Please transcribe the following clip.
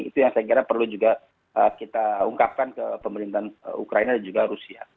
itu yang saya kira perlu juga kita ungkapkan ke pemerintahan ukraina dan juga rusia